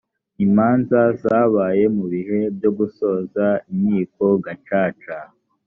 imanza zabaye mu bihe byo gusoza inkiko gacaca